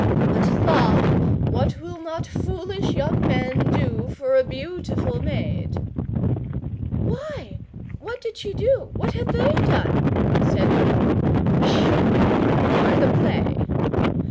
But la! what will not foolish young men do for a beautiful maid?' 'Why? What did she do? What had they done?' said Una. 'Hsh! You mar the play!